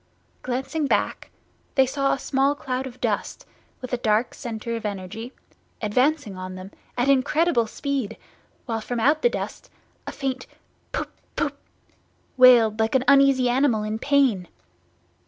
Glancing back, they saw a small cloud of dust, with a dark centre of energy, advancing on them at incredible speed, while from out the dust a faint "Poop poop!" wailed like an uneasy animal in pain.